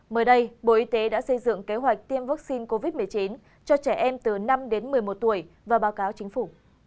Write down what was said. mới đây bộ y tế đã xây dựng kế hoạch tiêm vaccine covid một mươi chín cho trẻ em từ năm đến một mươi một tuổi và báo cáo chính phủ